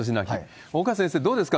岡先生、どうですか？